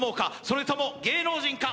それとも芸能人か？